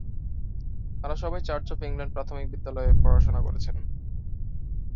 তাঁরা সবাই Church of England প্রাথমিক বিদ্যালয়ে পড়াশোনা করেছেন।